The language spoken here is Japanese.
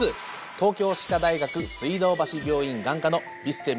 東京歯科大学水道橋病院眼科のビッセン